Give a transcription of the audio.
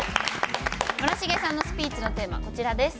村重さんのスピーチのテーマこちらです。